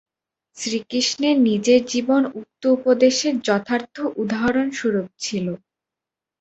শ্রীকৃষ্ণের নিজের জীবন উক্ত উপদেশের যথার্থ উদাহরণস্বরূপ ছিল।